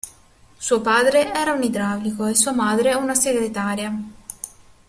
Suo padre era un idraulico e sua madre una segretaria.